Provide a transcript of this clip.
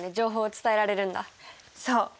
そう！